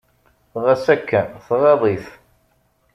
Ɣas akken, tɣaḍ-it.